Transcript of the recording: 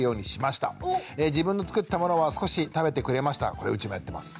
これうちもやってます。